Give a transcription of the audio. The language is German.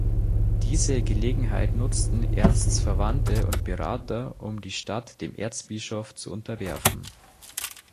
Diese Gelegenheit nutzten Ernsts Verwandte und Berater, um die Stadt dem Erzbischof zu unterwerfen.